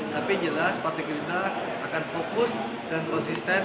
tapi jelas partai gerindra akan fokus dan konsisten